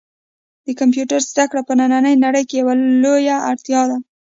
د کمپیوټر زده کړه په نننۍ نړۍ کې یوه لویه اړتیا ده.